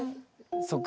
そっか。